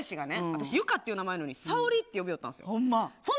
私は、ゆかっていう名前やのにさおりって呼びよったんです。